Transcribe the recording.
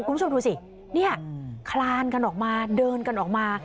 คุณผู้ชมดูสิเนี่ยคลานกันออกมาเดินกันออกมา